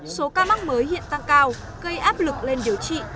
số ca mắc mới hiện tăng cao gây áp lực lên điều trị